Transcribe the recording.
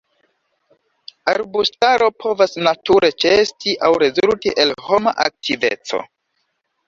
Arbustaro povas nature ĉeesti aŭ rezulti el homa aktiveco.